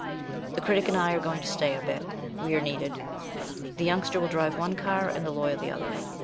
The Critic and I are going to stay a bit. We are needed. The Youngster will drive one car, and the Lawyer the other.